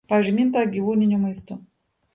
Minta gyvūniniu maistu.